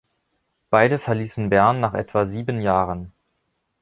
Beide verliessen Bern nach etwa sieben Jahren.